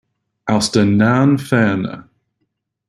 "Aus der nahen Ferne".